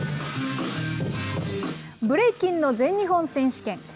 ブレイキンの全日本選手権。